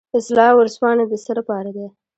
اصلاح ورځپاڼه د څه لپاره ده؟